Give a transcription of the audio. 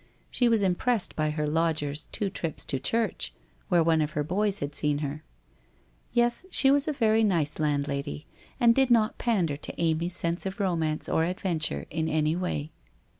She was impressed by her lodger's two trips to church, where one of her boys had seen her. Yes, she was a very nice landlady and did not pander to Amy's sense of romance or adventure in any way.